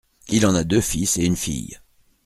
Il en a deux fils et une fille.